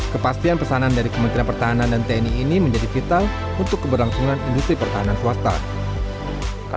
kepastian pesanan dari kementerian pertahanan dan tni ini menjadi vital untuk keberlangsungan industri pertahanan swasta